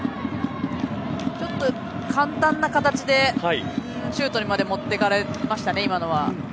ちょっと簡単な形でシュートまで持っていかれましたね、今のは。